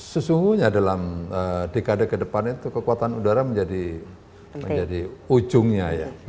sesungguhnya dalam dekade ke depan itu kekuatan udara menjadi ujungnya ya